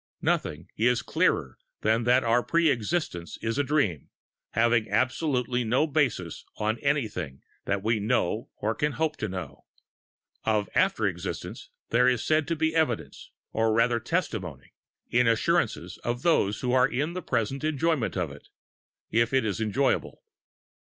Nothing is clearer than that our pre existence is a dream, having absolutely no basis in anything that we know or can hope to know. Of after existence there is said to be evidence, or rather testimony, in assurances of those who are in present enjoyment of it—if it is enjoyable.